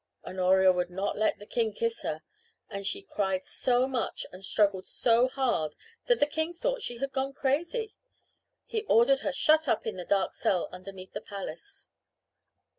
Honoria would not let the king kiss her, and she cried so much and struggled so hard that the king thought she had gone crazy. He ordered her shut up in the dark cell underneath the palace.